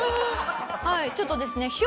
はいちょっとですね